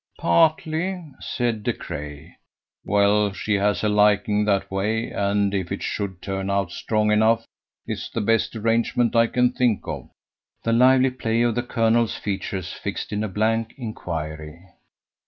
"Partly," said De Craye. "Well, she has a liking that way, and if it should turn out strong enough, it's the best arrangement I can think of," The lively play of the colonel's features fixed in a blank inquiry.